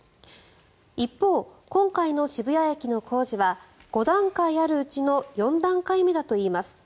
一方、今回の渋谷駅の工事は５段階あるうちの４段階目だといいます。